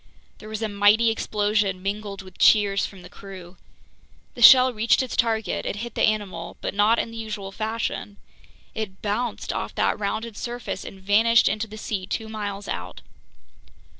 There was a mighty explosion, mingled with cheers from the crew. The shell reached its target; it hit the animal, but not in the usual fashion—it bounced off that rounded surface and vanished into the sea two miles out.